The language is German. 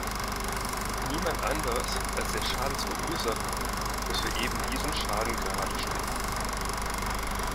Niemand anders als der Schadensverursacher muss für eben diesen Schaden gerade stehen.